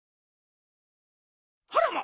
あらま！